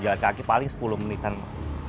jalan kaki paling sepuluh menitan saja terakhir saya akan